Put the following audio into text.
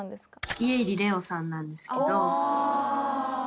家入レオさんなんですけどあ